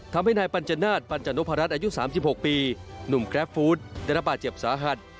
ทำให้นายปัญจนาฏปัญจนุพรัชอายุ๓๖ปีหนุ่มแกรฟฟู้ดได้รับบาดเจ็บสาหัส